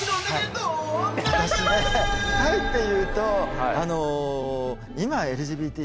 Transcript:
私ねタイっていうと今ＬＧＢＴだよね。